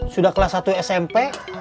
sudah kelas satu smp